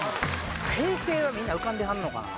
平成はみんな浮かんではるのかな？